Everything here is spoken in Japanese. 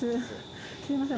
すいません